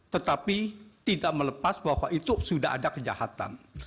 tetapi tidak melepas bahwa itu sudah ada kejahatan